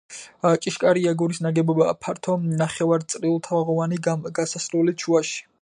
ჭიშკარი აგურის ნაგებობაა, ფართო, ნახევარწრიულთაღოვანი გასასვლელით შუაში.